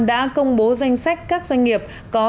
đã công bố danh sách các doanh nghiệp